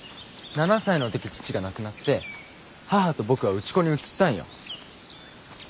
７歳の時父が亡くなって母と僕は内子に移ったんよ。